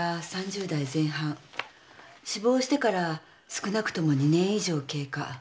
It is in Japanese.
死亡してから少なくとも２年以上経過。